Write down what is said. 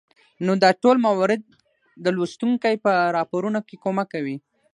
نو دا ټول موارد د لوستونکى په راپارونه کې کمک کوي